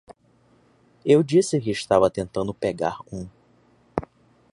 Eu disse que estava tentando pegar um.